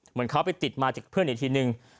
เหมือนเขาไปติดเมื่อเพื่อนเดี๋ยวหนึ่ง